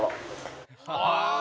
ああ！